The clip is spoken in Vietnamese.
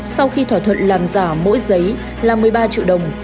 sau khi thỏa thuận làm giả mỗi giấy là một mươi ba triệu đồng